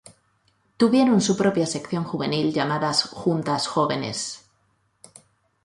Tuvieron su propia sección juvenil, llamadas "Juntas Jóvenes".